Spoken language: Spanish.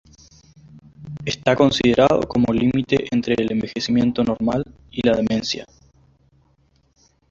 Está considerado como el límite entre el envejecimiento normal y la demencia.